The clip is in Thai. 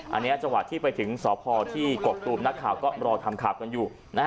อันนี้จังหวะที่ไปถึงสพที่กกตูมนักข่าวก็รอทำข่าวกันอยู่